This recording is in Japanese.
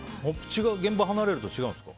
現場を離れると違うんですか？